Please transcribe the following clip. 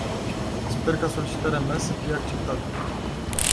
Sper ca solicitarea mea să fie acceptată.